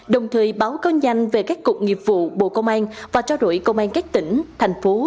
đồng thời báo cao nhanh về các cục nghiệp vụ bộ công an và trao đổi công an các tỉnh thành phố